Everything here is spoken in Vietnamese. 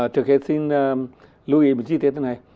trước hết xin lưu ý chi tiết thế này